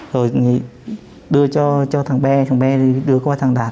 rồi đưa cho thằng be thằng be đưa qua thằng đạt